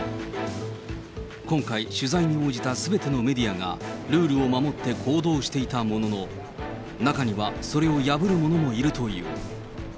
今回、取材に応じたすべてのメディアが、ルールを守って行動していたものの、中には、それを破る者もいるという。